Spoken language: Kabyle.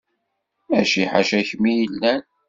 Mačči ḥaca kemm i yellan.